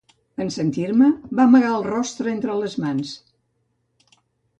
En sentir-me va amagar el rostre entre les mans.